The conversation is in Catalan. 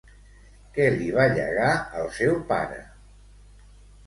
Què li va llegar el seu pare?